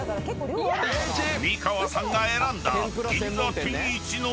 ［美川さんが選んだ］